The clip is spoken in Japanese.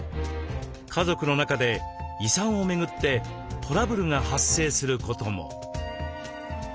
家族の中で遺産を巡ってトラブルが発生することも。